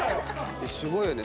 すごいよね。